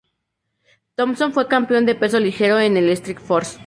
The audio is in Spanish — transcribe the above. Thomson fue campeón de peso ligero de Strikeforce.